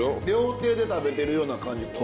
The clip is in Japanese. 料亭で食べてるような感じ。